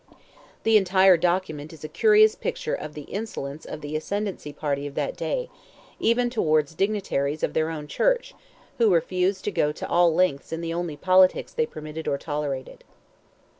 The entire document is a curious picture of the insolence of the ascendancy party of that day, even towards dignitaries of their own church who refused to go all lengths in the only politics they permitted or tolerated.